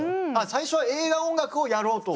最初は映画音楽をやろうと？